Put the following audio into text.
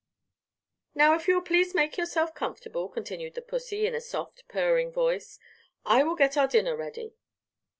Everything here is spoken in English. "Now, if you will please make yourself comfortable," continued the pussy, in a soft, purring voice, "I will get our dinner ready."